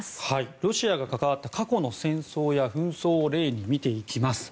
ロシアが関わった過去の戦争や紛争を例に見ていきます。